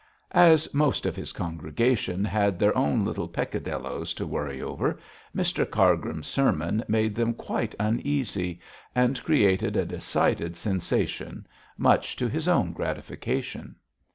As most of his congregation had their own little peccadilloes to worry over, Mr Cargrim's sermon made them quite uneasy, and created a decided sensation, much to his own gratification.